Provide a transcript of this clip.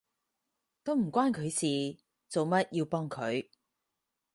都唔關佢事，做乜要幫佢？